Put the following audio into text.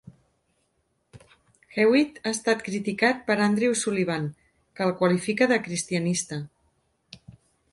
Hewitt ha estat criticat per Andrew Sullivan, que el qualifica de cristianista.